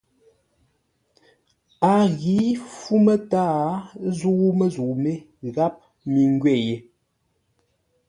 A ghǐ fú mətǎa zə́u məzə̂u mé gháp mi ngwě yé.